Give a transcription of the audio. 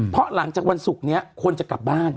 เพราะหลังจากวันศุกร์นี้คนจะกลับบ้าน